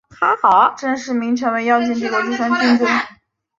正式名称为妖精帝国第三军乐队。